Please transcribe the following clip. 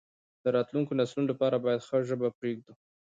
د راتلونکو نسلونو لپاره باید ښه ژبه پریږدو.